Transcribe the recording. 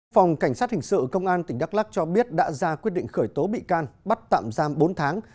phòng cảnh sát hình sự công an tỉnh đắk lắc cho biết đã ra quyết định khởi tố bị can bắt tạm giam bốn tháng